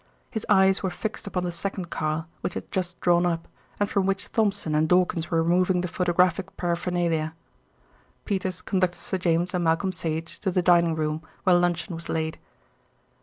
His eyes were fixed upon the second car, which had just drawn up, and from which Thompson and Dawkins were removing the photographic paraphernalia. Peters conducted Sir James and Malcolm Sage to the dining room, where luncheon was laid.